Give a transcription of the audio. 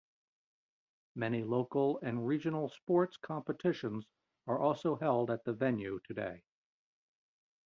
Many local and regional sports competitions are also held at the venue today.